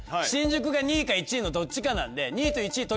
新宿が２位か１位のどっちかなんで。